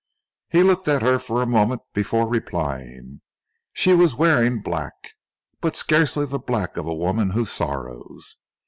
He looked at her for a moment before replying. She was wearing black, but scarcely the black of a woman who sorrows.